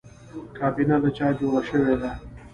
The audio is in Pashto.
کابینه له چا جوړه شوې ده؟